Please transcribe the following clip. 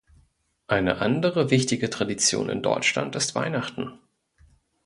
Eine andere wichtige Tradition in Deutschland ist Weihnachten.